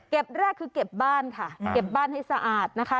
แรกคือเก็บบ้านค่ะเก็บบ้านให้สะอาดนะคะ